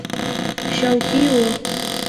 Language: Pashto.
شوقي وو.